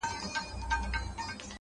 • ویل دا تعویذ دي زوی ته کړه په غاړه ,